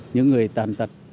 những người tàn tật